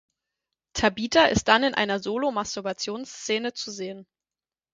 Tabitha ist dann in einer Solo-Masturbations-Szene zu sehen.